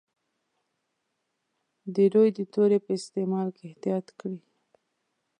د روي د توري په استعمال کې احتیاط کړی.